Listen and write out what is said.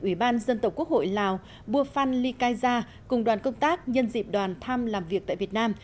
ủy ban dân tộc quốc hội lào bua phan ly cai gia cùng đoàn công tác nhân dịp đoàn thăm làm việc tại việt nam